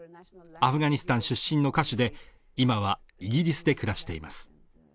アフガニスタン出身の歌手で今はイギリスで暮らしています